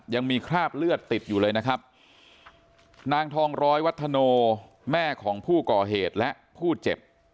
ยังมีคราบเลือดติดอยู่เลยนะครับนางทองร้อยวัฒโนแม่ของผู้ก่อเหตุและผู้เจ็บ